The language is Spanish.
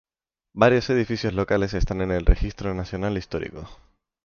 Varios edificios locales están en el Registro Nacional Histórico.